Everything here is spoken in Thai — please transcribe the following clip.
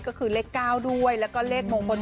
ก็คือเลข๙ด้วยแล้วก็เลขมงคล